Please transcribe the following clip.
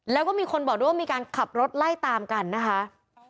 แล้วก็มีคนบอกด้วยว่ามีการขับรถไล่ตามกันนะคะ